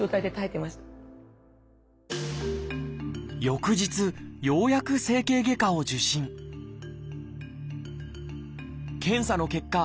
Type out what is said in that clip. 翌日ようやく整形外科を受診検査の結果